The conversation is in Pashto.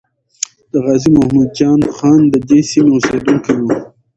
د غازی محمد جان خان ددې سیمې اسیدونکی وو.